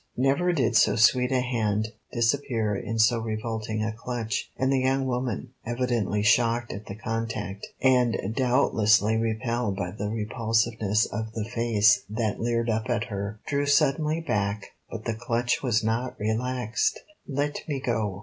Never did so sweet a hand disappear in so revolting a clutch, and the young woman, evidently shocked at the contact, and doubtless repelled by the repulsiveness of the face that leered up at her, drew suddenly back, but the clutch was not relaxed. "Let me go!"